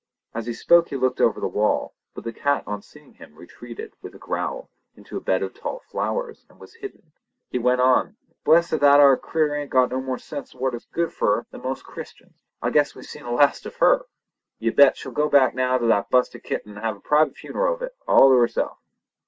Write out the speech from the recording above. As he spoke he looked over the wall, but the cat on seeing him, retreated, with a growl, into a bed of tall flowers, and was hidden. He went on: "Blest if that ar critter ain't got more sense of what's good for her than most Christians. I guess we've seen the last of her! You bet, she'll go back now to that busted kitten and have a private funeral of it, all to herself!"